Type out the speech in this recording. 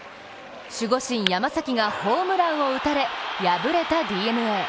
守護神・山崎がホームランを打たれ敗れたＤｅＮＡ。